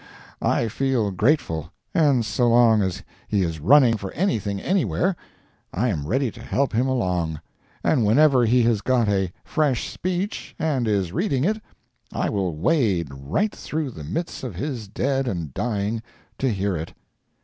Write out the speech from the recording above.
I feel grateful, and so long as he is running for anything anywhere, I am ready to help him along; and whenever he has got a fresh speech, and is reading it, I will wade right through the midst of his dead and dying to hear it.